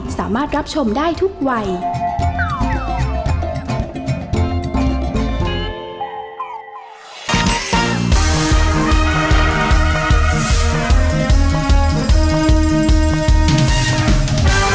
แม่บ้านประจำบานสวัสดีค่ะ